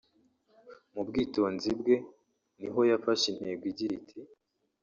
Mu bwitonzi bwe niho yafashe intego igira iti